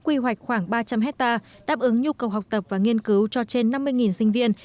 quy hoạch khoảng ba trăm linh hectare đáp ứng nhu cầu học tập và nghiên cứu cho trên năm mươi sinh viên